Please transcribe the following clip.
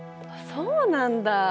そうなんだ。